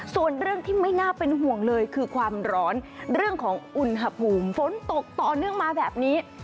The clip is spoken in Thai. ส่วนเรื่องที่ไม่น่าเป็นห่วงเลยคือความร้อนเรื่องของอุณหภูมิฝนตกต่อเนื่องมาแบบนี้